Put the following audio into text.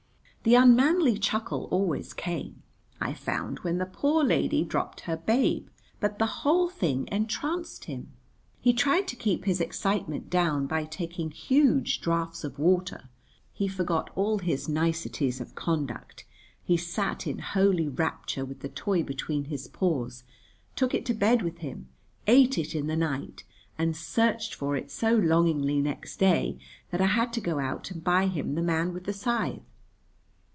The unmanly chuckle always came, I found, when the poor lady dropped her babe, but the whole thing entranced him; he tried to keep his excitement down by taking huge draughts of water; he forgot all his niceties of conduct; he sat in holy rapture with the toy between his paws, took it to bed with him, ate it in the night, and searched for it so longingly next day that I had to go out and buy him the man with the scythe.